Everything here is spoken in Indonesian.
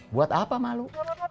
buat apa malu